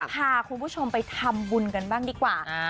พาคุณผู้ชมไปทำบุญกันบ้างดีกว่า